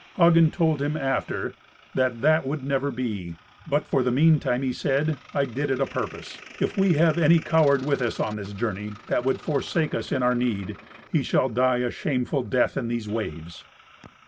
Hagen told him, after, that that would never be, but for the meantime he said, "I did it a purpose. If we have any coward with us on this journey, that would forsake us in our need, he shall die a shameful death in these waves."